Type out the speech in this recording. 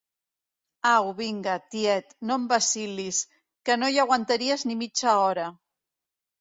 Au vinga, tiet, no em vacil·lis, que no hi aguantaries ni mitja hora!